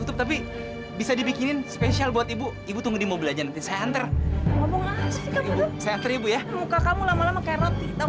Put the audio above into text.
tetapi saya telah memuji mengucapkan penerimaan